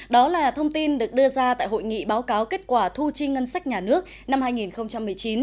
đó là thông tin được đưa ra tại hội nghị báo cáo kết quả thu chi ngân sách nhà nước năm hai nghìn một mươi chín